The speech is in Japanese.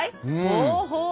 ほうほう。